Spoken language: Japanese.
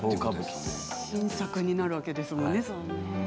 新作になるわけですものね